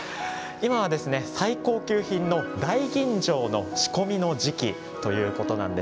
今はですね、最高級品の大吟醸の仕込みの時期ということなんです。